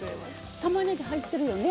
たまねぎ入ってるよね？